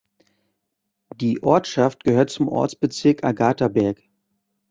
Die Ortschaft gehört zum Ortsbezirk Agathaberg.